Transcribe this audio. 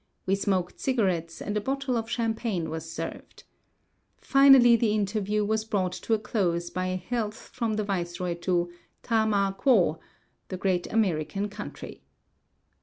We smoked cigarettes, and a bottle of champagne was served. Finally the interview was brought to a close by a health from the viceroy to "Ta ma quo" (the great American country).